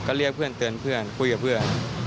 ก็เรียกเพื่อนเตือนเพื่อนคุยกับเพื่อน